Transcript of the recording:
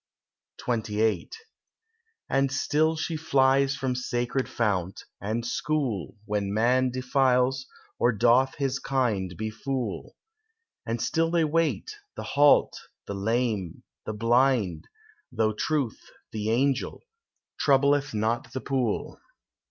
XXVIII And still she flies from sacred fount, and school, When man defiles, or doth his kind befool; And still they wait, the halt, the lame, the blind, Though Truth, the angel, troubleth not the pool.